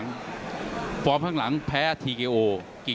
นักมวยจอมคำหวังเว่เลยนะครับ